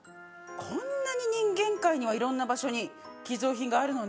こんなに人間界にはいろんな場所に寄贈品があるのね。